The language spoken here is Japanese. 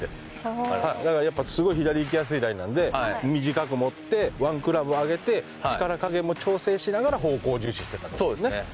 だからやっぱすごい左いきやすいライなんで短く持ってワンクラブ上げて力加減も調整しながら方向を重視してたって事ですね。